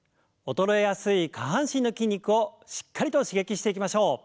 衰えやすい下半身の筋肉をしっかりと刺激していきましょう。